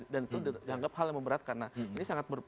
dan itu dianggap hal yang memberatkan nah ini sangat